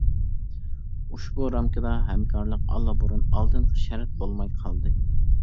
ئۇشبۇ رامكىدا ھەمكارلىق ئاللا بۇرۇن ئالدىنقى شەرت بولماي قالدى.